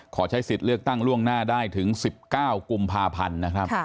ขอใช้สิทธิ์เลือกตั้งล่วงหน้าได้ถึง๑๙กุมภาพันธ์นะครับ